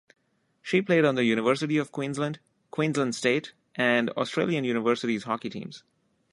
She played on the University of Queensland, Queensland state and Australian universities hockey teams.